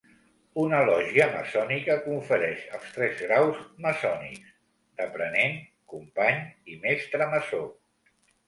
Una lògia maçònica confereix els tres graus maçònics d'Aprenent, Company, i Mestre Maçó.